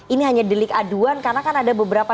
ini hanya delik aduan karena kan ada beberapa